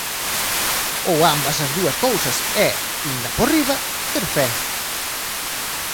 Ou ambas as dúas cousas, e, inda por riba, ter fe.